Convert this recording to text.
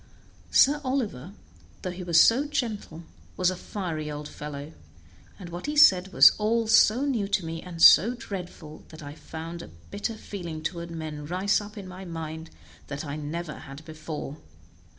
Sir Oliver, though he was so gentle, was a fiery old fellow, and what he said was all so new to me, and so dreadful, that I found a bitter feeling toward men rise up in my mind that I never had before.